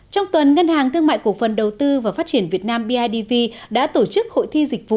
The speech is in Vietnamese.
trong tuần ngân hàng thương mại cổ phần đầu tư và phát triển việt nam bidv đã tổ chức hội thi dịch vụ hai nghìn một mươi tám